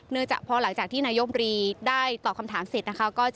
ในนาโลบรีได้ตอบคำถามเสร็จ